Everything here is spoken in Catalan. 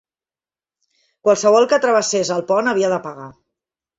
Qualsevol que travessés el pont havia de pagar.